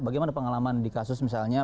bagaimana pengalaman di kasus misalnya